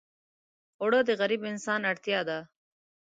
اوړه د غریب انسان اړتیا ده